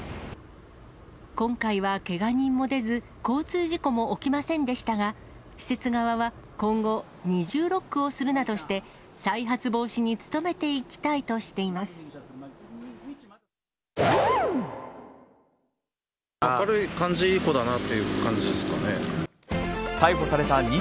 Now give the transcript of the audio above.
今回はけが人も出ず、交通事故も起きませんでしたが、施設側は、今後、２重ロックをするなどして、再発防止に努めていきたいとしてビールサーバーがある夏夢だなあ。